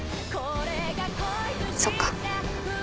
そっか。